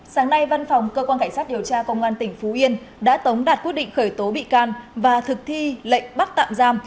sáng nay văn phòng cơ quan cảnh sát điều tra công an tỉnh phú yên đã tống đạt quyết định khởi tố bị can và thực thi lệnh bắt tạm giam